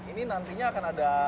ini nantinya akan ada